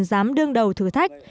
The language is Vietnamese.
dám đương đầu thử thách